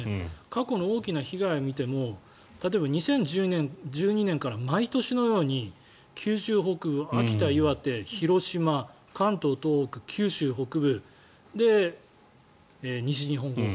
過去の大きな被害を見ても例えば２０１２年から毎年のように九州北部、秋田、岩手広島、関東、東北、九州北部で、西日本豪雨。